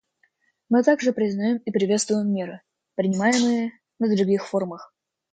Мы также признаем и приветствуем меры, принимаемые на других форумах.